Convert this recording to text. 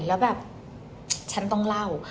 แล้วแบบฉันต้องเล่า